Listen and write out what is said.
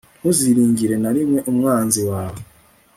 ntuziringire na rimwe umwanzi wawe